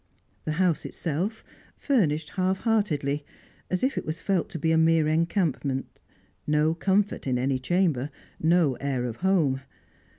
The house itself furnished half heartedly, as if it was felt to be a mere encampment; no comfort in any chamber, no air of home.